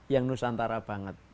yang nusantara banget